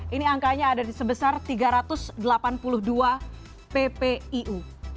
ini angkanya ada di sebesar tiga ratus delapan puluh dua ppiu